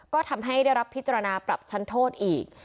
ก็ทำให้ได้รับพิจารณาปรับชั้นโทษอีก